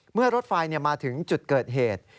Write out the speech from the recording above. เมื่อรถไฟมาถึงจุดเกิดเหตุ